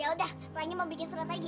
yaudah pelangi mau bikin surat lagi ya